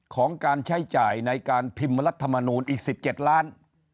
ของการใช้จ่ายในการพิมพ์รัฐมนูลอีก๑๗ล้าน